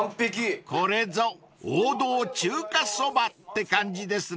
［これぞ王道中華そばって感じですね］